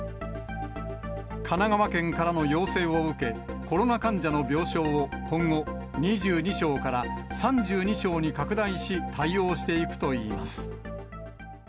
神奈川県からの要請を受け、コロナ患者の病床を今後、２２床から３２床に拡大し、対応していくといいます。